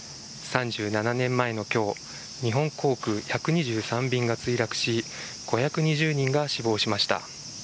３７年前の今日、日本航空１２３便が墜落し５２０人が死亡しました。